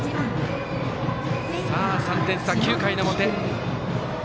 ３点差、９回の表。